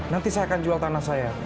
nanti saya akan jual tanah saya